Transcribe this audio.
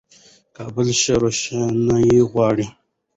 کابل ښه روښنايي غواړي.